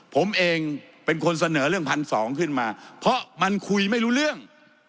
ผมเองเป็นคนเสนอเรื่อง๑๒๐๐ขึ้นมาเพราะมันคุยไม่รู้เรื่อง